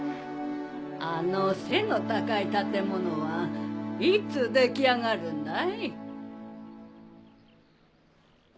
あの背の高い建物はいつ出来上がるんだい？